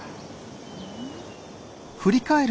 うん？